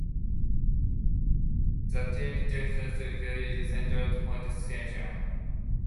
The territorial Shield is centred in the white section.